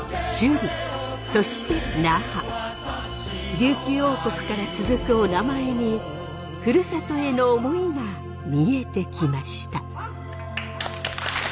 琉球王国から続くお名前にふるさとへの思いが見えてきました。